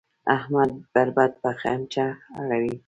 احمد برېت په خمچه اړوي.